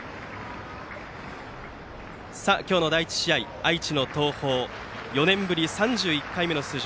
今日の第１試合、愛知の東邦は４年ぶり３１回目の出場。